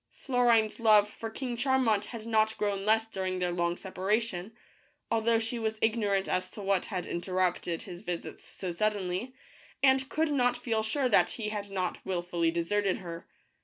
Florine's love for King Charmant had not grown less dur ing their long separation, although she was ignorant as to what had interrupted his visits so suddenly, and could not feel sure that he had not willfully deserted her.